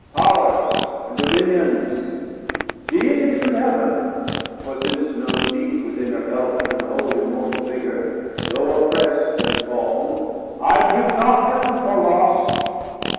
10 Powers and Dominions, Deities of Heav'n, For since no deep within her gulf can hold Immortal vigor, though opprest and fall'n, I give not Heav'n for lost.